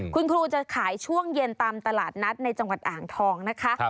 คุณครูจะขายช่วงเย็นตามตลาดนัดในจังหวัดอ่างทองนะคะ